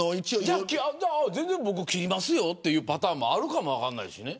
全然、僕切りますよというパターンもあるかもしれない。